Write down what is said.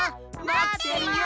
まってるよ！